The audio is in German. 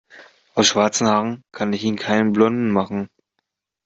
Aus schwarzen Haaren kann ich Ihnen keine blonden machen.